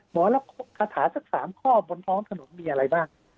หมอแล้วคาถาสัก๓ข้อบนท้องถนนมีอะไรบ้าง